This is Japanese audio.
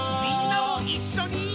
「みんなもいっしょに」